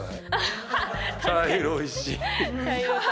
茶色いし。